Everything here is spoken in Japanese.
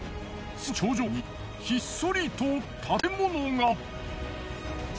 その頂上にひっそりと建物が！